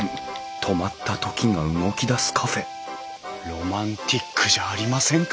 ロマンチックじゃありませんか！